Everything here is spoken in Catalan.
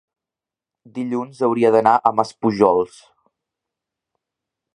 dilluns hauria d'anar a Maspujols.